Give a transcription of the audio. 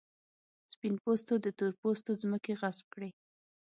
سپین پوستو د تور پوستو ځمکې غصب کړې.